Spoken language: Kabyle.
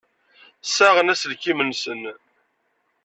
Ssaɣen iselkimen-nsen.